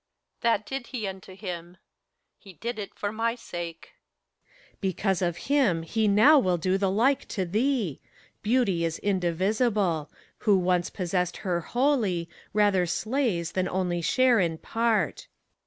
That did he unto him : he did it for my sake. PHORKTAS. Because of him he now will do the like to thee. Beauty is indivisible : who once possessed Her wholly, rather slays than only share in part.